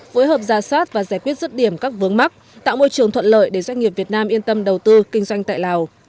phối hợp ra soát và giải quyết rứt điểm các vướng mắc tạo môi trường thuận lợi để doanh nghiệp việt nam yên tâm đầu tư kinh doanh tại lào